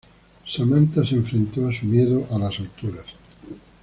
Samanta se enfrentó a su miedo a las alturas.